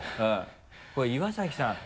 これ岩崎さん